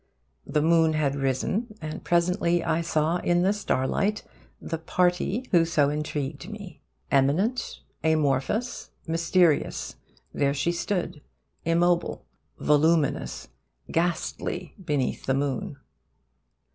The moon had risen; and presently I saw in the starlight the 'party' who so intrigued me. Eminent, amorphous, mysterious, there she stood, immobile, voluminous, ghastly beneath the moon.